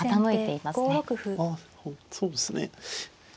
あそうですね。